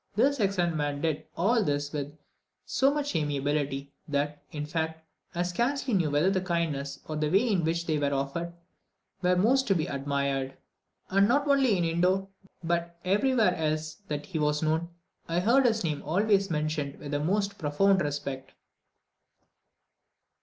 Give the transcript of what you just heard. This excellent man did all this with so much amiability, that, in fact, I scarcely knew whether the kindnesses or the way in which they were offered, were most to be admired. And not only in Indor, but everywhere else that he was known, I heard his name always mentioned with the most profound respect.